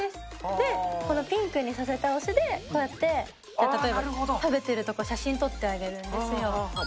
で、このピンクにさせた推しで、こうやって例えば食べてるとこ写真撮ってあげるんですよ。